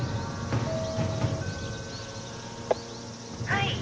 「はい」